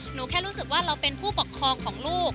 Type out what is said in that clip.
หนูแค่รู้สึกว่าเราเป็นผู้ปกครองของลูก